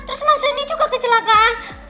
terus mas sandi juga kecelakaan